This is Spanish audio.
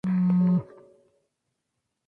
No se ha resuelto el crimen.